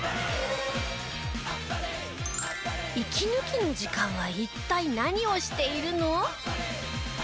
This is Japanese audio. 息抜きの時間は一体何をしているの？